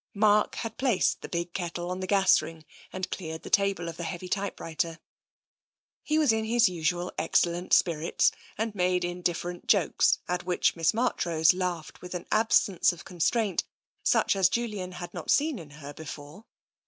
Mark had placed the big kettle on the gas ring and cleared the table of the heavy typewriter. He was in his usual excellent spirits, and made in different jokes at which Miss Marchrose laughed with an absence of constraint such as Julian had not seen in her before.